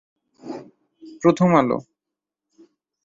প্রথম আলো